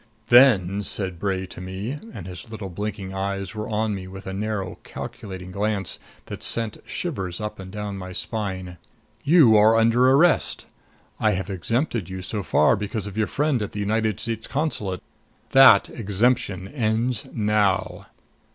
"Then," said Bray to me, and his little blinking eyes were on me with a narrow calculating glance that sent the shivers up and down my spine, "you are under arrest. I have exempted you so far because of your friend at the United States Consulate. That exemption ends now."